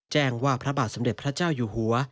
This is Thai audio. แจ้งว่าพระบาทสมเด็จพระเจ้าอยู่หัว